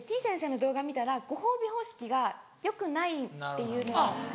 先生の動画見たらご褒美方式がよくないっていうのを。